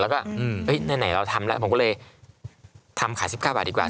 แล้วก็ไหนเราทำแล้วผมก็เลยทำขาย๑๙บาทดีกว่า